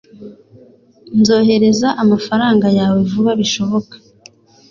nzohereza amafaranga yawe vuba bishoboka